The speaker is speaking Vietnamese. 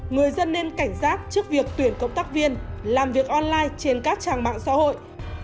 người dân nên cảnh giác trước việc tuyển cộng tác viên làm việc online trên các trang mạng xã hội